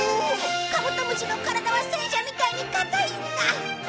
カブトムシの体は戦車みたいに硬いんだ！